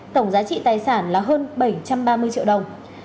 tổng giá trị tài sản là hơn bảy trăm ba mươi triệu đồng